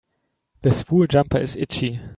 This wool jumper is itchy.